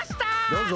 どうぞ。